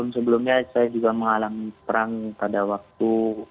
sebelumnya saya juga mengalami perang pada waktu dua ribu